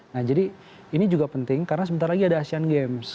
nah jadi ini juga penting karena sebentar lagi ada asian games